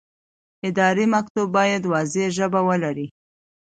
اداري مکتوب باید واضح ژبه ولري.